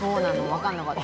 わかんなかった。